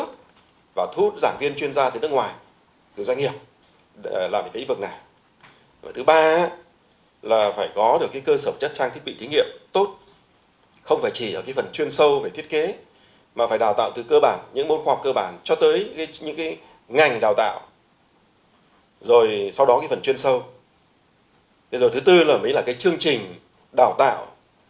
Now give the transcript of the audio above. không phải chỉ ở cái phần chuyên sâu về thiết kế mà phải đào tạo từ cơ bản những môn khoa học cơ bản cho tới những cái ngành đào tạo rồi sau đó cái phần chuyên sâu rồi thứ tư là cái chương trình đào tạo